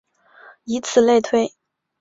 以此类推。